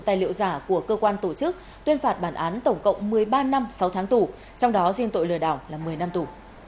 tài liệu giả của cơ quan tổ chức tuyên phạt bản án tổng cộng một mươi ba năm sáu tháng tù trong đó riêng tội lừa đảo là một mươi năm tù